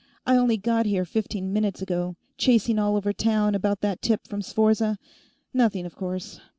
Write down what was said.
I only got here fifteen minutes ago. Chasing all over town about that tip from Sforza. Nothing, of course.